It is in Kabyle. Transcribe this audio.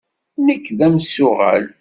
Nekk d amsuɣel.